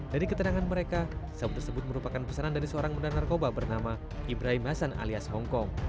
dari keterangan mereka sabu tersebut merupakan pesanan dari seorang bunda narkoba bernama ibrahim hasan alias hongkong